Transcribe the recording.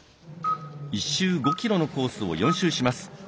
１周５ｋｍのコースを４周します。